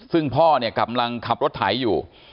ซึ่งพ่อเนี่ยกำลังขับรถไถอยู่